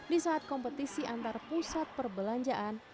di saat kompetisi antar pusat perbelanjaan